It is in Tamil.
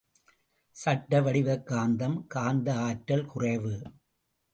சட்ட வடிவக் காந்தம் காந்த ஆற்றல் குறைவு.